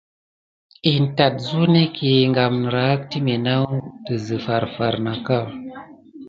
In tät suk nek gam niraki timé naku dezi farfar naka.